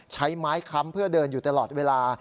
ใช้ไม้ค้ำเพื่อเดินอยู่ตลอดเวลา